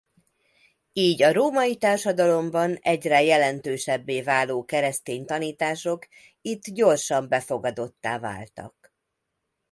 Így a római társadalomban egyre jelentősebbé váló keresztény tanítások itt gyorsan befogadottá váltak.